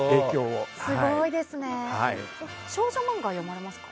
少女漫画は読まれますか？